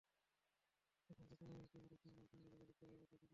তখন চাচা নামের একটি প্রতিষ্ঠান তাঁর সঙ্গে যোগাযোগ করে ব্যাপারটা শিখিয়ে দেয়।